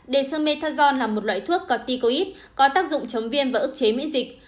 dexamethasone là một loại thuốc corticoid có tác dụng chống viêm và ức chế miễn dịch